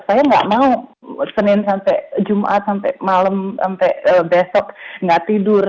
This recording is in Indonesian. saya nggak mau senin sampai jumat sampai malam sampai besok nggak tidur